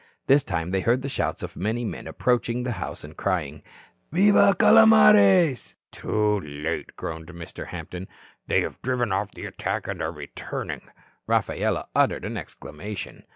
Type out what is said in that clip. This time they heard the shouts of many men approaching the house and crying "Viva, Calomares." "Too late," groaned Mr. Hampton. "They have driven off the attack, and are returning." Rafaela uttered an exclamation.